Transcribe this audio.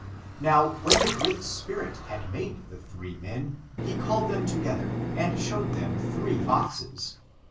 Now, when the Great Spirit had made the three men, he calted them together and showed them three boxes.